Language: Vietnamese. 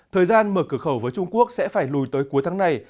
thời gian mở cửa khẩu với trung quốc sẽ phải lùi tới cuối tháng này